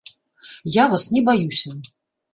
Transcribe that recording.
Я вас не баюся.